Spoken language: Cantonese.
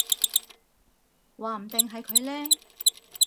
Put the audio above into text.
話唔定係佢呢